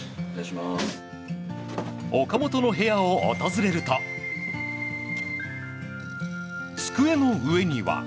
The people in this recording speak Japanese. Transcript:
岡本の部屋を訪れると机の上には。